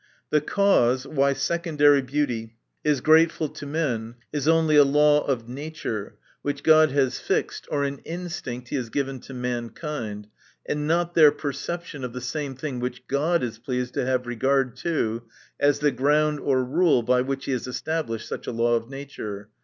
The cause why secondary beauty is grateful to men, is only a law of nature, which God has fixed, or an instinct he has given to mankind ; and not their perception of the same thing which God is pleased to have regard to, as the ground or rule by which he has established such a law of nature.